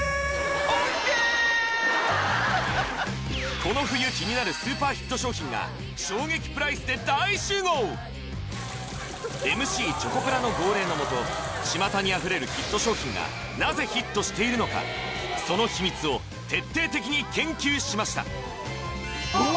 この冬気になるスーパーヒット商品が衝撃プライスで大集合ＭＣチョコプラの号令のもとちまたにあふれるヒット商品がなぜヒットしているのかその秘密を徹底的に研究しました